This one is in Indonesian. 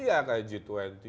iya kayak g dua puluh